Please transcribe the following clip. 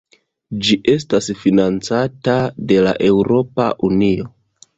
Ĝi estas financata de la Eŭropa Unio.